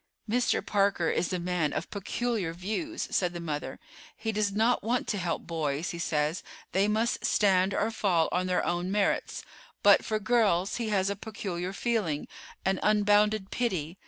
"Mr. Parker is a man of peculiar views," said the mother. "He does not want to help boys, he says; they must stand or fall on their own merits. But for girls he has a peculiar feeling, an unbounded pity.